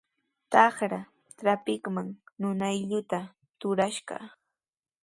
Trakra trawpinman nunaylluta trurashqa.